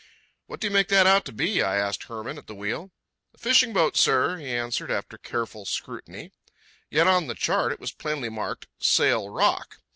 "What do you make that out to be?" I asked Hermann, at the wheel. "A fishing boat, sir," he answered after careful scrutiny. Yet on the chart it was plainly marked, "Sail Rock."